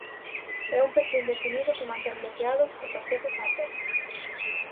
É un peche indefinido que mantén bloqueados os accesos á térmica.